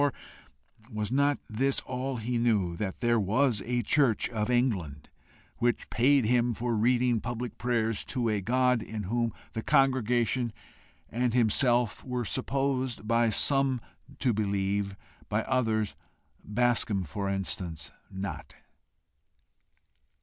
Or was not this all he knew that there was a church of England, which paid him for reading public prayers to a God in whom the congregation and himself were supposed by some to believe, by others, Bascombe, for instance, not?